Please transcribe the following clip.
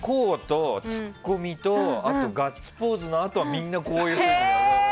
ツッコミとガッツポーズのあとみんなこういうふうに。